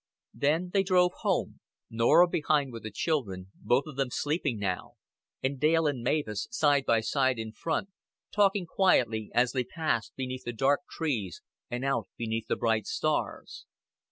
Then they drove home; Norah behind with the children, both of them sleeping now; and Dale and Mavis side by side in front, talking quietly as they passed beneath the dark trees and out beneath the bright stars.